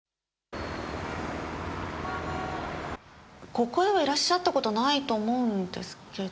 ここへはいらっしゃったことないと思うんですけど。